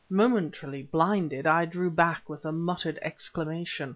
Momentarily blinded, I drew back with a muttered exclamation.